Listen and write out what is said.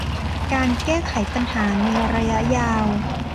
การแก้ไขปัญหาในระยะยาว